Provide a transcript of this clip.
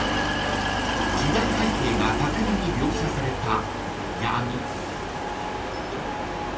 ［時代背景が巧みに描写された「闇」］